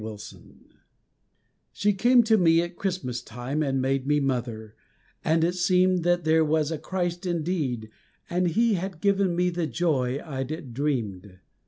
A Christmas Child SHE came to me at Christmas time and made me mother, and it seemed There was a Christ indeed and He had given me the joy I'd dreamed.